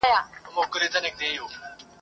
تا به یې په روڼو سترګو خیال تر لاس نیولی وي..